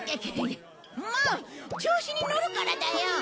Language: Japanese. もう調子にのるからだよ！